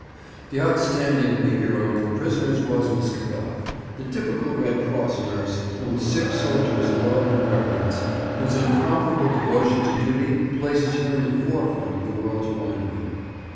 The outstanding figure among the prisoners was Miss Cavell, the typical Red Cross nurse, whom sick soldiers love and reverence, whose incomparable devotion to duty places her in the forefront of the world's womanhood.